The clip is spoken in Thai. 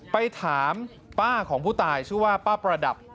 ไปถามป้าของผู้ตายชื่อว่าป้าประดับ